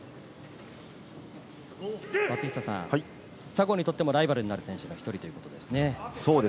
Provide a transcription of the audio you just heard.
松下さん、佐合にとってもライバルになる選手の１人ですよね。